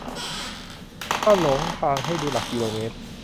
ถ้าหลงทางให้ดูหลักกิโลเมตร